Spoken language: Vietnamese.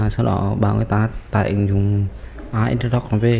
sau đó bảo người ta tải ứng dụng interdoc v